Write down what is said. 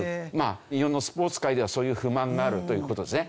日本のスポーツ界ではそういう不満があるという事ですね。